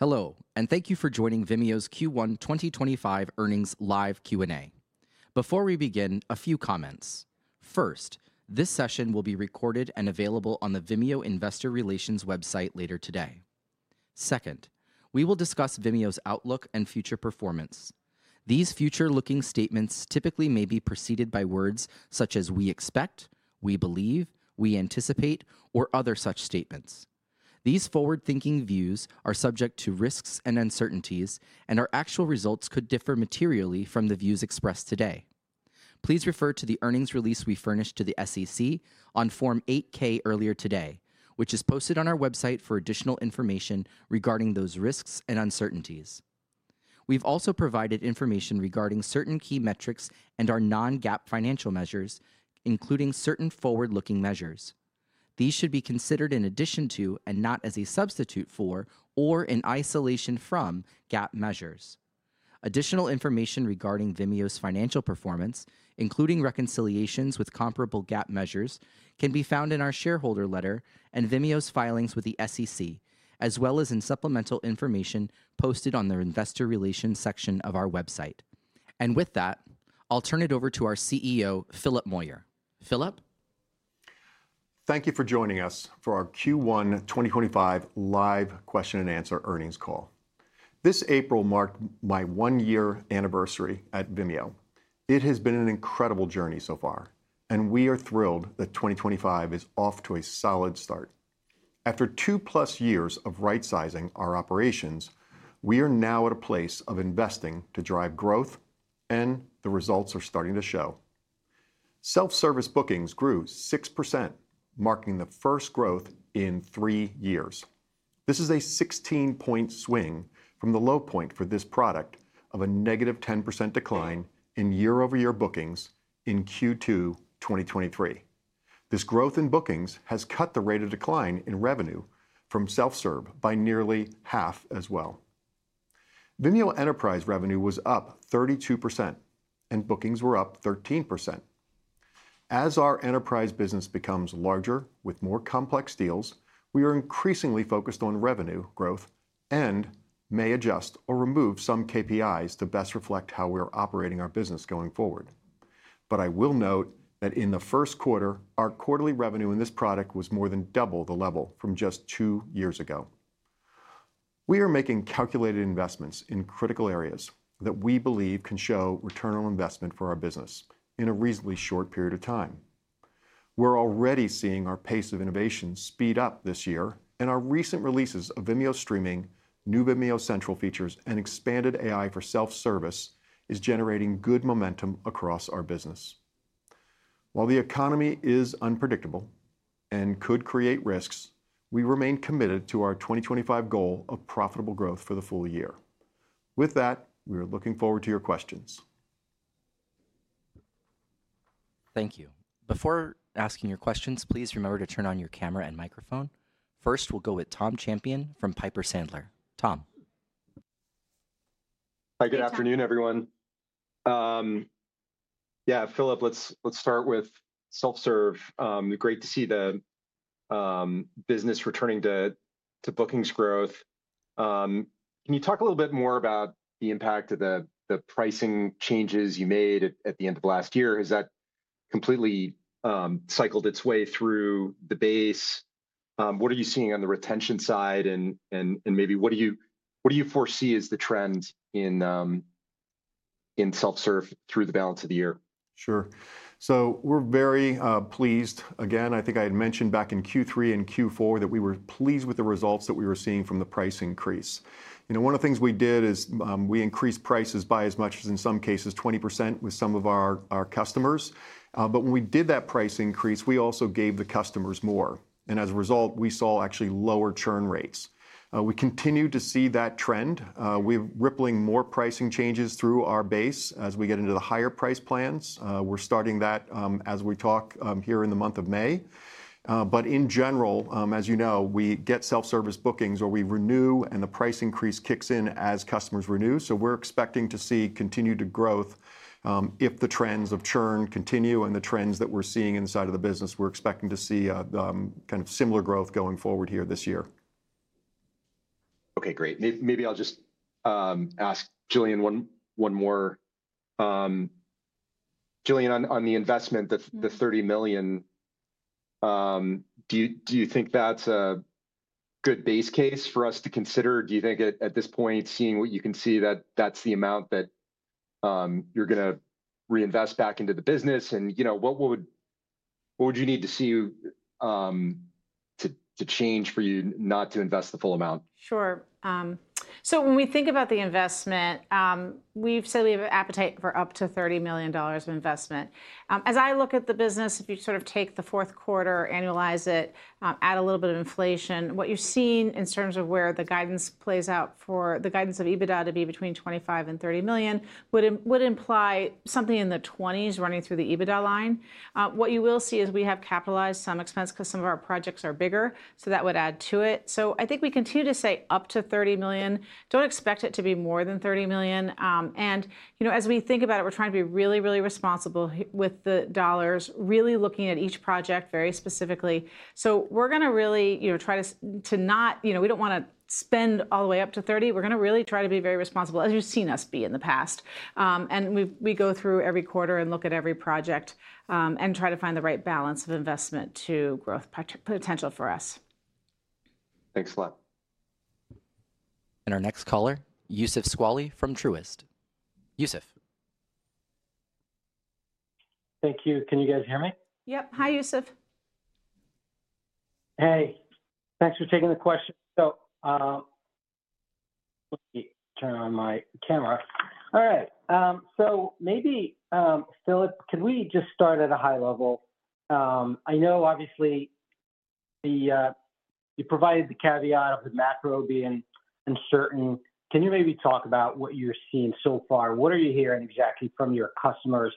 Hello, and thank you for joining Vimeo's Q1 2025 earnings live Q&A. Before we begin, a few comments. First, this session will be recorded and available on the Vimeo Investor Relations website later today. Second, we will discuss Vimeo's outlook and future performance. These future-looking statements typically may be preceded by words such as "we expect," "we believe," "we anticipate," or other such statements. These forward-looking views are subject to risks and uncertainties, and our actual results could differ materially from the views expressed today. Please refer to the earnings release we furnished to the SEC on Form 8-K earlier today, which is posted on our website for additional information regarding those risks and uncertainties. We've also provided information regarding certain key metrics and our non-GAAP financial measures, including certain forward-looking measures. These should be considered in addition to, and not as a substitute for, or in isolation from, GAAP measures. Additional information regarding Vimeo's financial performance, including reconciliations with comparable GAAP measures, can be found in our shareholder letter and Vimeo's filings with the SEC, as well as in supplemental information posted on the Investor Relations section of our website. With that, I'll turn it over to our CEO, Philip Moyer. Philip? Thank you for joining us for our Q1 2025 live question-and-answer earnings call. This April marked my one-year anniversary at Vimeo. It has been an incredible journey so far, and we are thrilled that 2025 is off to a solid start. After two-plus years of right-sizing our operations, we are now at a place of investing to drive growth, and the results are starting to show. Self-service bookings grew 6%, marking the first growth in three years. This is a 16-point swing from the low point for this product of a -10% decline in year-over-year bookings in Q2 2023. This growth in bookings has cut the rate of decline in revenue from self-serve by nearly half as well. Vimeo Enterprise revenue was up 32%, and bookings were up 13%. As our enterprise business becomes larger with more complex deals, we are increasingly focused on revenue growth and may adjust or remove some KPIs to best reflect how we are operating our business going forward. I will note that in the first quarter, our quarterly revenue in this product was more than double the level from just two years ago. We are making calculated investments in critical areas that we believe can show return on investment for our business in a reasonably short period of time. We're already seeing our pace of innovation speed up this year, and our recent releases of Vimeo Streaming, new Vimeo Central features, and expanded AI for self-service are generating good momentum across our business. While the economy is unpredictable and could create risks, we remain committed to our 2025 goal of profitable growth for the full year. With that, we are looking forward to your questions. Thank you. Before asking your questions, please remember to turn on your camera and microphone. First, we'll go with Tom Champion from Piper Sandler. Tom. Hi, good afternoon, everyone. Yeah, Philip, let's start with self-serve. Great to see the business returning to bookings growth. Can you talk a little bit more about the impact of the pricing changes you made at the end of last year? Has that completely cycled its way through the base? What are you seeing on the retention side, and maybe what do you foresee as the trend in self-serve through the balance of the year? Sure. We are very pleased. Again, I think I had mentioned back in Q3 and Q4 that we were pleased with the results that we were seeing from the price increase. One of the things we did is we increased prices by as much as, in some cases, 20% with some of our customers. When we did that price increase, we also gave the customers more. As a result, we saw actually lower churn rates. We continue to see that trend. We are rippling more pricing changes through our base as we get into the higher price plans. We are starting that as we talk here in the month of May. In general, as you know, we get self-service bookings or we renew, and the price increase kicks in as customers renew. We're expecting to see continued growth if the trends of churn continue and the trends that we're seeing inside of the business. We're expecting to see kind of similar growth going forward here this year. Okay, great. Maybe I'll just ask Gillian one more. Gillian, on the investment, the $30 million, do you think that's a good base case for us to consider? Do you think at this point, seeing what you can see, that that's the amount that you're going to reinvest back into the business? And what would you need to see to change for you not to invest the full amount? Sure. When we think about the investment, we've said we have an appetite for up to $30 million of investment. As I look at the business, if you sort of take the fourth quarter, annualize it, add a little bit of inflation, what you're seeing in terms of where the guidance plays out for the guidance of EBITDA to be between $25 million and $30 million would imply something in the $20 million range running through the EBITDA line. What you will see is we have capitalized some expense because some of our projects are bigger, so that would add to it. I think we continue to say up to $30 million. Don't expect it to be more than $30 million. As we think about it, we're trying to be really, really responsible with the dollars, really looking at each project very specifically. We're going to really try to not, we don't want to spend all the way up to $30 million. We're going to really try to be very responsible, as you've seen us be in the past. We go through every quarter and look at every project and try to find the right balance of investment to growth potential for us. Thanks a lot. Our next caller, Youssef Squali from Truist. Yusef. Thank you. Can you guys hear me? Yep. Hi, Yusef. Hey. Thanks for taking the question. Let me turn on my camera. All right. Maybe, Philip, could we just start at a high level? I know, obviously, you provided the caveat of the macro being uncertain. Can you maybe talk about what you're seeing so far? What are you hearing exactly from your customers,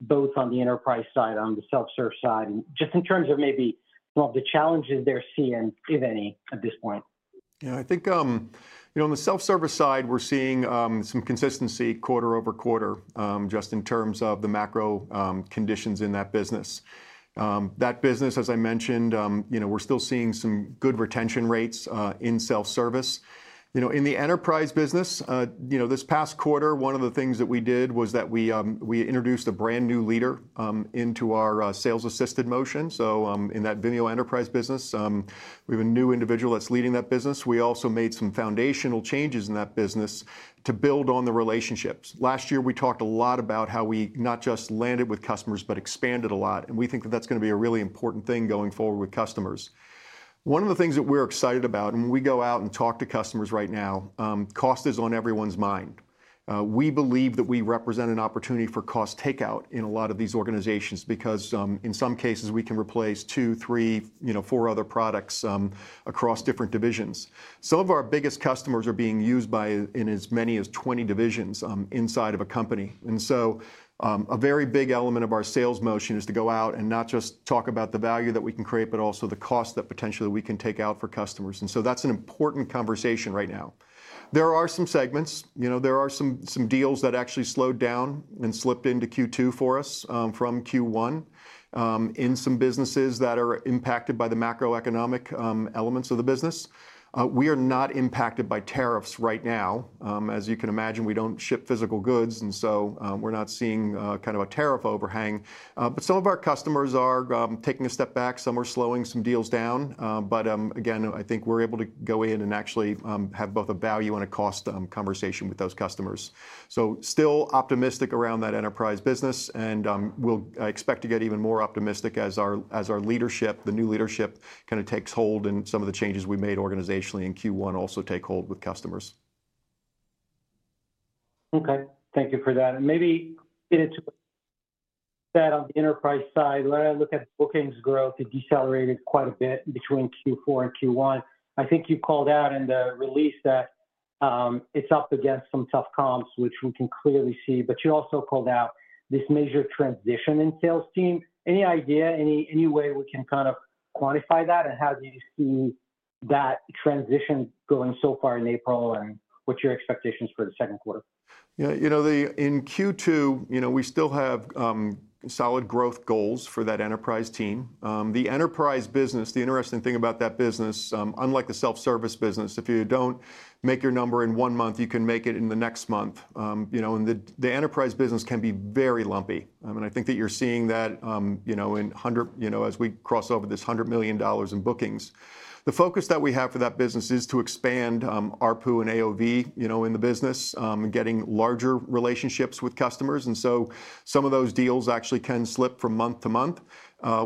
both on the enterprise side, on the self-serve side, and just in terms of maybe some of the challenges they're seeing, if any, at this point? Yeah, I think on the self-serve side, we're seeing some consistency quarter over quarter, just in terms of the macro conditions in that business. That business, as I mentioned, we're still seeing some good retention rates in self-service. In the enterprise business, this past quarter, one of the things that we did was that we introduced a brand new leader into our sales-assisted motion. In that Vimeo Enterprise business, we have a new individual that's leading that business. We also made some foundational changes in that business to build on the relationships. Last year, we talked a lot about how we not just landed with customers, but expanded a lot. We think that that's going to be a really important thing going forward with customers. One of the things that we're excited about, and when we go out and talk to customers right now, cost is on everyone's mind. We believe that we represent an opportunity for cost takeout in a lot of these organizations because in some cases, we can replace two, three, four other products across different divisions. Some of our biggest customers are being used by as many as 20 divisions inside of a company. A very big element of our sales motion is to go out and not just talk about the value that we can create, but also the cost that potentially we can take out for customers. That is an important conversation right now. There are some segments. There are some deals that actually slowed down and slipped into Q2 for us from Q1 in some businesses that are impacted by the macroeconomic elements of the business. We are not impacted by tariffs right now. As you can imagine, we do not ship physical goods, and so we are not seeing kind of a tariff overhang. Some of our customers are taking a step back. Some are slowing some deals down. Again, I think we are able to go in and actually have both a value and a cost conversation with those customers. Still optimistic around that enterprise business, and we will expect to get even more optimistic as our leadership, the new leadership, kind of takes hold and some of the changes we made organizationally in Q1 also take hold with customers. Okay. Thank you for that. Maybe in a two-minute spat on the enterprise side, let's look at bookings growth. It decelerated quite a bit between Q4 and Q1. I think you called out in the release that it's up against some tough comps, which we can clearly see. You also called out this major transition in sales team. Any idea, any way we can kind of quantify that, and how do you see that transition going so far in April and what your expectations for the second quarter? Yeah, you know, in Q2, we still have solid growth goals for that enterprise team. The enterprise business, the interesting thing about that business, unlike the self-service business, if you don't make your number in one month, you can make it in the next month. The enterprise business can be very lumpy. I mean, I think that you're seeing that as we cross over this $100 million in bookings. The focus that we have for that business is to expand ARPU and AOV in the business and getting larger relationships with customers. Some of those deals actually can slip from month to month.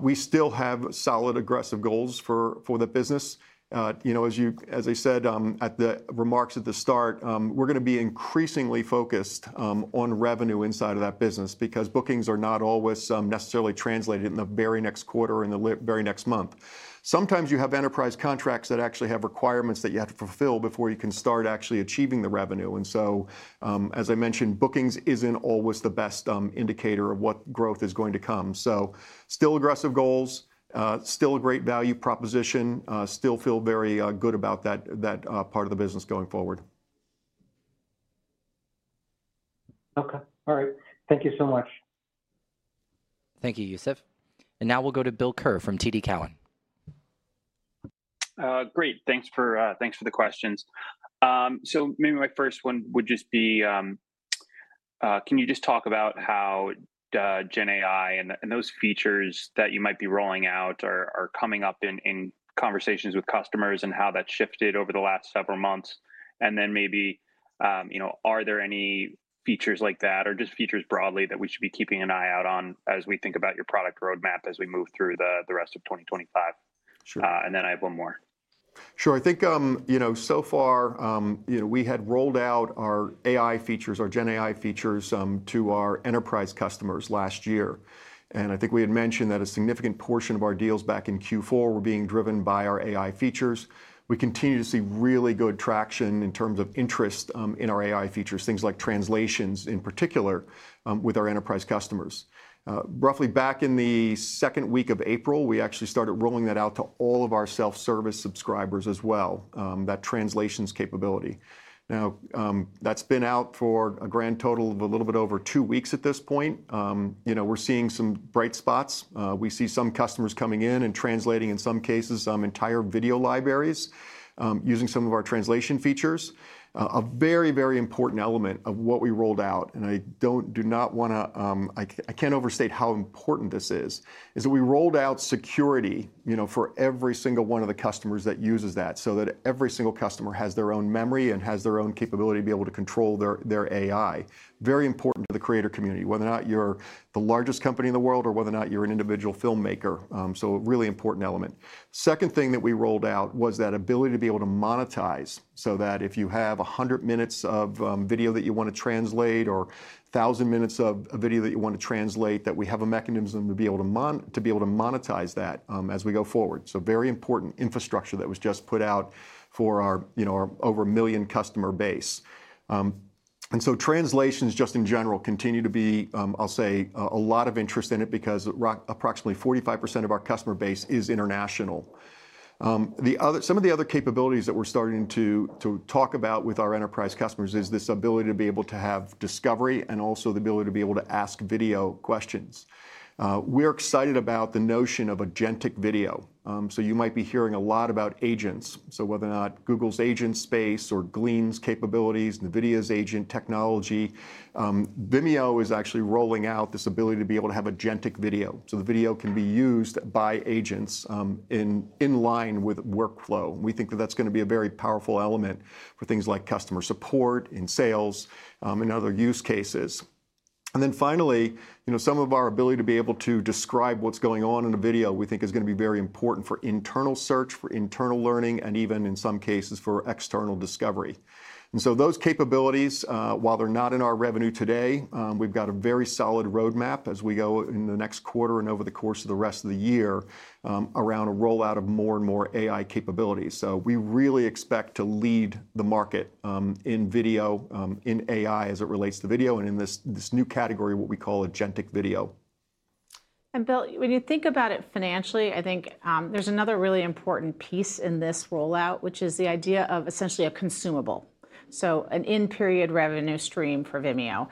We still have solid aggressive goals for the business. As I said at the remarks at the start, we're going to be increasingly focused on revenue inside of that business because bookings are not always necessarily translated in the very next quarter or in the very next month. Sometimes you have enterprise contracts that actually have requirements that you have to fulfill before you can start actually achieving the revenue. As I mentioned, bookings isn't always the best indicator of what growth is going to come. Still aggressive goals, still a great value proposition, still feel very good about that part of the business going forward. Okay. All right. Thank you so much. Thank you, Yusef. Now we'll go to Bill Kerr from TD Cowen. Great. Thanks for the questions. Maybe my first one would just be, can you just talk about how GenAI and those features that you might be rolling out are coming up in conversations with customers and how that's shifted over the last several months? Are there any features like that or just features broadly that we should be keeping an eye out on as we think about your product roadmap as we move through the rest of 2025? I have one more. Sure. I think so far, we had rolled out our AI features, our GenAI features to our enterprise customers last year. I think we had mentioned that a significant portion of our deals back in Q4 were being driven by our AI features. We continue to see really good traction in terms of interest in our AI features, things like translations in particular with our enterprise customers. Roughly back in the second week of April, we actually started rolling that out to all of our self-service subscribers as well, that translations capability. Now, that's been out for a grand total of a little bit over two weeks at this point. We're seeing some bright spots. We see some customers coming in and translating in some cases entire video libraries using some of our translation features. A very, very important element of what we rolled out, and I do not want to, I can't overstate how important this is, is that we rolled out security for every single one of the customers that uses that so that every single customer has their own memory and has their own capability to be able to control their AI. Very important to the creator community, whether or not you're the largest company in the world or whether or not you're an individual filmmaker. A really important element. The second thing that we rolled out was that ability to be able to monetize so that if you have 100 minutes of video that you want to translate or 1,000 minutes of video that you want to translate, we have a mechanism to be able to monetize that as we go forward. Very important infrastructure was just put out for our over a million customer base. Translations just in general continue to be, I'll say, a lot of interest in it because approximately 45% of our customer base is international. Some of the other capabilities that we're starting to talk about with our enterprise customers is this ability to be able to have discovery and also the ability to be able to ask video questions. We're excited about the notion of agentic video. You might be hearing a lot about agents. Whether or not Google's agent space or Glean's capabilities, Nvidia's agent technology, Vimeo is actually rolling out this ability to be able to have agentic video. The video can be used by agents in line with workflow. We think that that's going to be a very powerful element for things like customer support in sales and other use cases. Finally, some of our ability to be able to describe what's going on in a video we think is going to be very important for internal search, for internal learning, and even in some cases for external discovery. Those capabilities, while they're not in our revenue today, we've got a very solid roadmap as we go in the next quarter and over the course of the rest of the year around a rollout of more and more AI capabilities. We really expect to lead the market in video, in AI as it relates to video and in this new category, what we call agentic video. Bill, when you think about it financially, I think there's another really important piece in this rollout, which is the idea of essentially a consumable, so an end period revenue stream for Vimeo.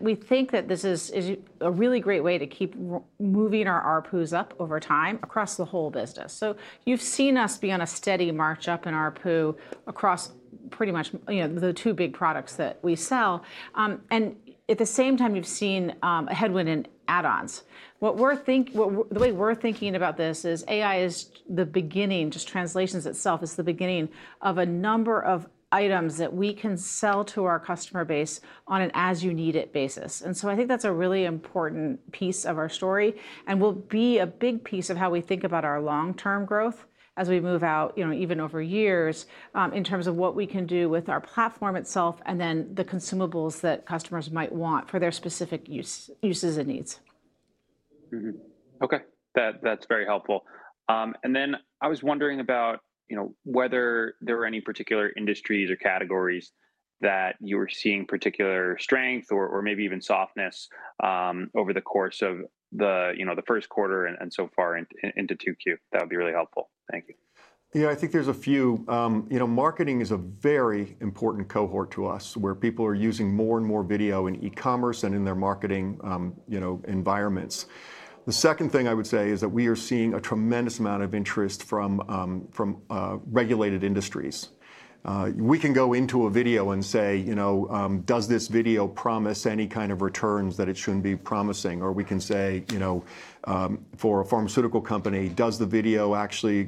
We think that this is a really great way to keep moving our ARPUs up over time across the whole business. You've seen us be on a steady march up in ARPU across pretty much the two big products that we sell. At the same time, you've seen a headwind in add-ons. The way we're thinking about this is AI is the beginning, just translations itself is the beginning of a number of items that we can sell to our customer base on an as-you-need-it basis. I think that's a really important piece of our story and will be a big piece of how we think about our long-term growth as we move out even over years in terms of what we can do with our platform itself and then the consumables that customers might want for their specific uses and needs. Okay. That's very helpful. I was wondering about whether there were any particular industries or categories that you were seeing particular strength or maybe even softness over the course of the first quarter and so far into Q2. That would be really helpful. Thank you. Yeah, I think there's a few. Marketing is a very important cohort to us where people are using more and more video in e-commerce and in their marketing environments. The second thing I would say is that we are seeing a tremendous amount of interest from regulated industries. We can go into a video and say, does this video promise any kind of returns that it shouldn't be promising? Or we can say, for a pharmaceutical company, does the video actually,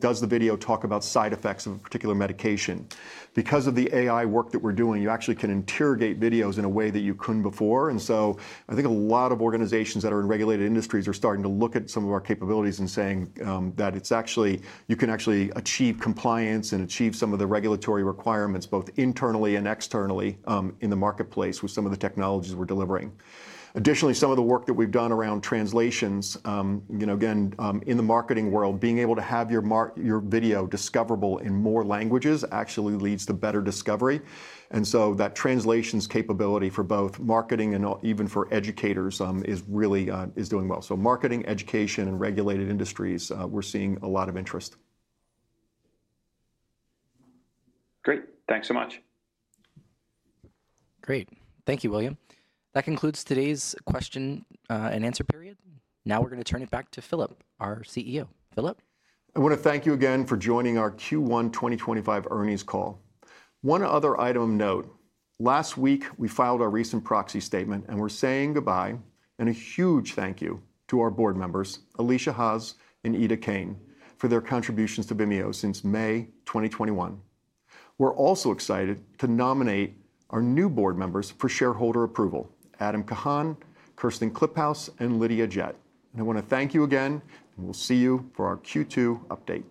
does the video talk about side effects of a particular medication? Because of the AI work that we're doing, you actually can interrogate videos in a way that you couldn't before. I think a lot of organizations that are in regulated industries are starting to look at some of our capabilities and saying that you can actually achieve compliance and achieve some of the regulatory requirements both internally and externally in the marketplace with some of the technologies we're delivering. Additionally, some of the work that we've done around translations, again, in the marketing world, being able to have your video discoverable in more languages actually leads to better discovery. That translations capability for both marketing and even for educators is doing well. Marketing, education, and regulated industries, we're seeing a lot of interest. Great. Thanks so much. Great. Thank you, William. That concludes today's question and answer period. Now we're going to turn it back to Philip, our CEO. Philip? I want to thank you again for joining our Q1 2025 earnings call. One other item of note, last week we filed our recent proxy statement and we're saying goodbye and a huge thank you to our board members, Alesia Haas and Edith Kane for their contributions to Vimeo since May 2021. We're also excited to nominate our new board members for shareholder approval, Adam Cahan, Kirsten Kliff, and Lydia Jett. I want to thank you again, and we'll see you for our Q2 update.